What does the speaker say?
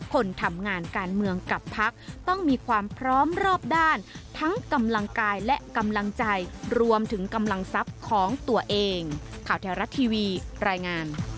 คนทำงานการเมืองกับพักต้องมีความพร้อมรอบด้านทั้งกำลังกายและกำลังใจรวมถึงกำลังทรัพย์ของตัวเอง